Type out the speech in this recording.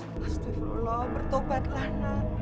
astagfirullah bertobatlah nak